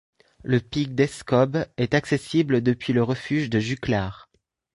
Le pic d'Escobes est accessible depuis le refuge de Juclar.